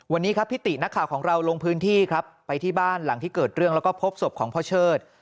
วันนี้ครับพิตินักข่าวของเราลงพื้นที่ครับไปที่บ้านหลังที่เกิดเรื่องแล้วก็พบศพของพ่อเชิด